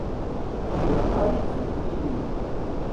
Deg leqraya d tdukkli-nni.